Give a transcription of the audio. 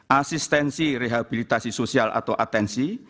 asistensi rehabilitasi sosial atau atensi